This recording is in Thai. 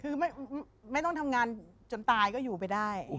คือไม่ต้องทำงานจนตายก็อยู่ไปได้